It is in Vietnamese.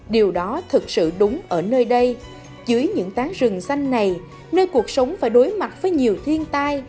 điều đó thực sự đúng ở nơi đây dưới những tán rừng xanh này nơi cuộc sống phải đối mặt với nhiều thiên tai